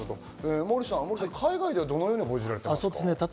モーリーさん、海外ではどう報じられていますか？